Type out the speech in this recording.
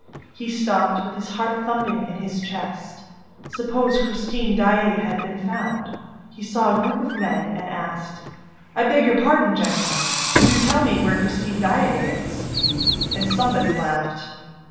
He stopped, with his heart thumping in his chest: suppose Christine Daae had been found? He saw a group of men and asked: "I beg your pardon, gentlemen. Could you tell me where Christine Daae is?" And somebody laughed.